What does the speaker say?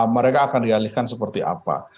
mereka akan dialihkan seperti apa